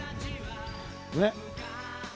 ねっ。